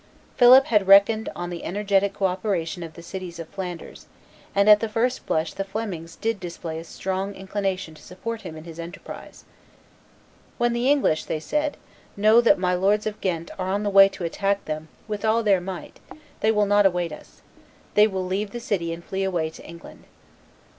Philip had reckoned on the energetic cooperation of the cities of Flanders, and at the first blush the Flemings did display a strong inclination to support him in his enterprise. "When the English," they said, "know that my lords of Ghent are on the way to attack them with all their might they will not await us; they will leave the city and flee away to England."